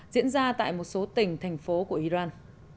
diễn ra tại một số tỉnh thành phố của iran